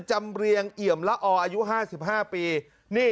เรียงเอี่ยมละออายุ๕๕ปี